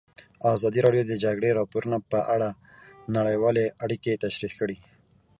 ازادي راډیو د د جګړې راپورونه په اړه نړیوالې اړیکې تشریح کړي.